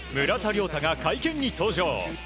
村田諒太が会見に登場。